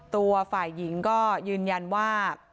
ตัวฝ่ายหญิงก็ยืนยันว่า